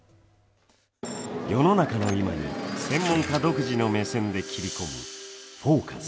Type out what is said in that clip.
世の中の今に、専門家独自の目線で切り込む、「ＦＯＣＵＳ」。